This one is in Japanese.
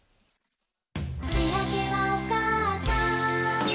「しあげはおかあさん」